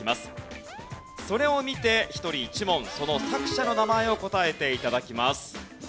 それを見て１人１問その作者の名前を答えて頂きます。